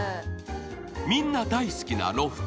みんな大好きなロフト。